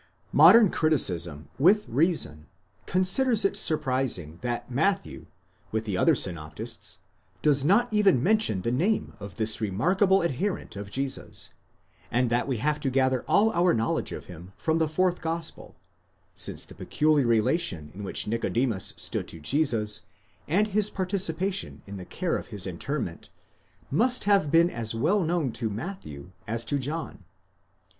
Modern criticism, with reason, considers it surprising that Matthew (with the other synoptists) does not even mention the name of this remarkable adherent of Jesus, and that we have to gather all our knowledge of him from the fourth gospel ; since the peculiar relation in which Nicodemus stood to Jesus, and his participation in the care of his interment, must have been as well known to Matthew as to John.